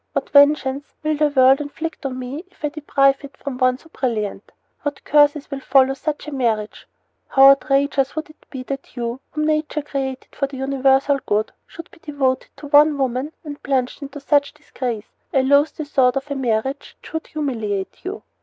What vengeance will the world inflict on me if I deprive it of one so brilliant? What curses will follow such a marriage? How outrageous would it be that you, whom nature created for the universal good, should be devoted to one woman and plunged into such disgrace? I loathe the thought of a marriage which would humiliate you.